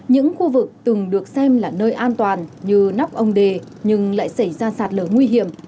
những khu vực từng được xem là nơi an toàn như nóc ông đề nhưng lại xảy ra sạt lở nguy hiểm